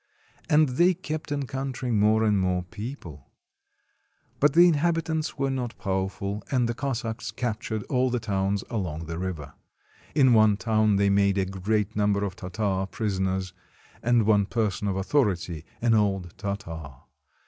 And they kept encountering more and more people. i6s RUSSIA But the inhabitants were not powerful, and the Cossacks captured all the towns along the river. In one town they made a great number of Tartars prisoners, and one person of authority, an old Tartar.